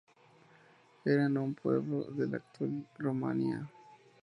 Eran un pueblo de la actual Rumanía.